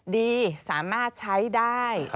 ดีสามารถใช้ได้